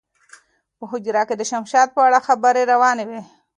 په حجره کې د شمشاد په اړه خبرې روانې وې.